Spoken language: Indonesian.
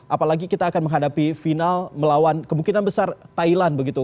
apalagi kita akan menghadapi final melawan kemungkinan besar thailand begitu